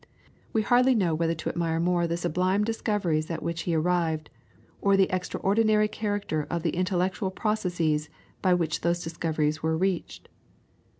We hardly know whether to admire more the sublime discoveries at which he arrived, or the extraordinary character of the intellectual processes by which those discoveries were reached.